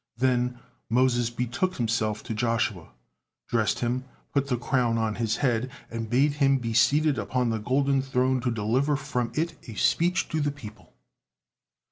Then Moses betook himself to Joshua, dressed him, put the crown on his head, and bade him be seated upon the golden throne to deliver from it a speech to the people.